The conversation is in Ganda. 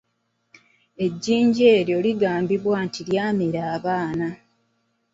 Ejjinja eryo ligambibwa nti lyamira abaana.